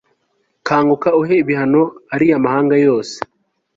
kanguka, uhe ibihano ariya mahanga yose